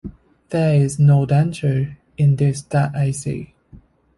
There is no danger in this that I see.